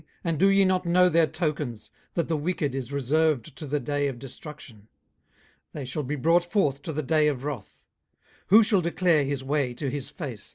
and do ye not know their tokens, 18:021:030 That the wicked is reserved to the day of destruction? they shall be brought forth to the day of wrath. 18:021:031 Who shall declare his way to his face?